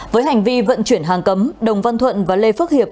với hành vi vận chuyển hàng cấm đồng văn thuận và lê phước hiệp